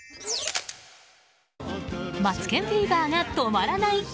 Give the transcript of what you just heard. マツケンフィーバーが止まらない。